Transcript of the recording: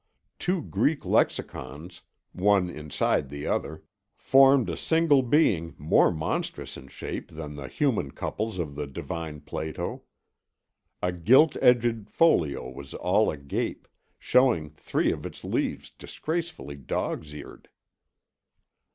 Two Greek lexicons, one inside the other, formed a single being more monstrous in shape than the human couples of the divine Plato. A gilt edged folio was all a gape, showing three of its leaves disgracefully dog's eared.